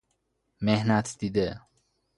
محنت دیده